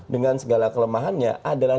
dengan segala kelemahannya adalah